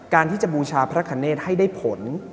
การที่จะบูชาพระคเนธให้ได้ผล